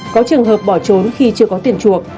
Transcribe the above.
có trường hợp bỏ trốn khi chưa có tiền chuộc